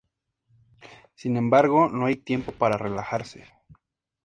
Sin embargo, no hay tiempo para relajarse.